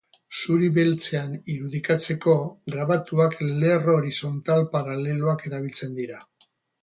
Zuri-beltzean irudikatzeko, grabatuak, lerro horizontal paraleloak erabiltzen dira.